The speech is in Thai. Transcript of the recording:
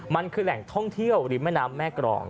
มันคือแหล่งท่องเที่ยวริมแม่น้ำแม่กรอง